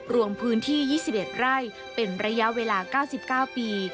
รวมพื้นที่๒๑ไร่เป็นระยะเวลา๙๙ปี